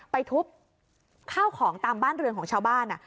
ไปทุบข้าวของตามบ้านเรือนของชาวบ้าน